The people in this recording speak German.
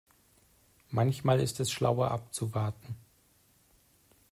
Manchmal ist es schlauer abzuwarten.